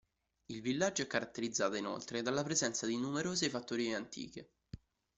Il villaggio è caratterizzato inoltre dalla presenza di numerose fattorie antiche.